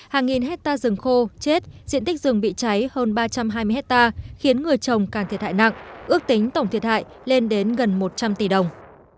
hàng nghìn hectare rừng khô chết diện tích rừng bị cháy hơn ba trăm hai mươi hectare khiến người trồng càng thiệt hại nặng ước tính tổng thiệt hại lên đến gần một trăm linh tỷ đồng